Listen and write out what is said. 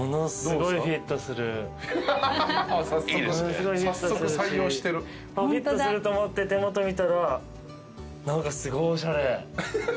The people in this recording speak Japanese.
フィットすると思って手元見たら何かすごいおしゃれ。